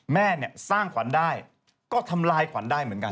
แม่เนี่ยสร้างขวัญได้ก็ทำลายขวัญได้เหมือนกัน